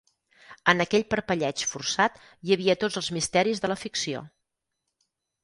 En aquell parpelleig forçat hi havia tots els misteris de la ficció.